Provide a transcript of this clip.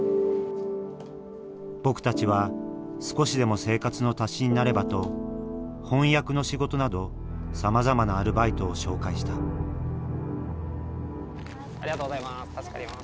僕たちは少しでも生活の足しになればと翻訳の仕事などさまざまなアルバイトを紹介したありがとうございます。